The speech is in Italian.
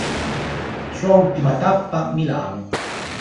Sua ultima tappa: Milano.